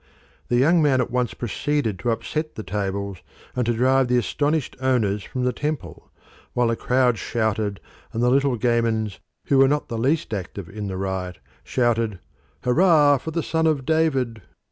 The young man at once proceeded to upset the tables and to drive their astonished owners from the Temple, while the crowd shouted and the little gamins, who were not the least active in the riot, cried out, "Hurrah for the son of David!"